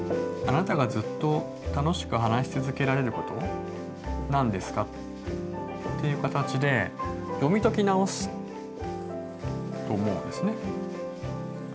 「あなたがずっと楽しく話し続けられること何ですか？」っていう形で読み解き直すと思うんですね。